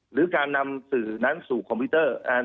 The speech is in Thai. หรือการนำสื่อนั้นสู่คอมพิวเตอร์